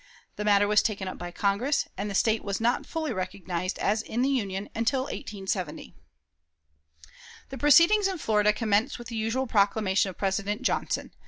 The matter was taken up by Congress, and the State was not fully recognized as in the Union until 1870. The proceedings in Florida commenced with the usual proclamation of President Johnson.